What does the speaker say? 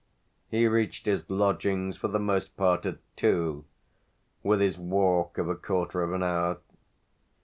He reached his lodgings for the most part at two with his walk of a quarter of an hour.